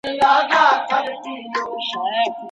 که د انځورګرۍ سیالۍ جوړې سي، نو د ځوانانو وړتیا نه پټیږي.